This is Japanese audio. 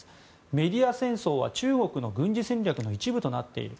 メディア戦争は中国の軍事戦略の一部となっている。